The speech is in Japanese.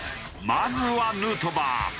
まずはヌートバー。